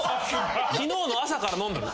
昨日の朝から飲んどる？